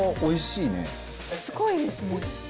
すごいですね。